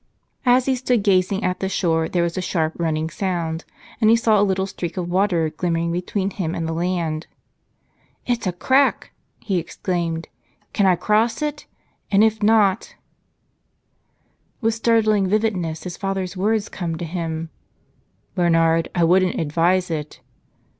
As he stood gazing at the shore there was a sharp, running sound, and he saw a little streak of water glimmering between him and the land. "It's a crack!" he exclaimed. "Can I cross it? And if not With startling vividness his father's words come to him: "Bernard, I wouldn't advise it."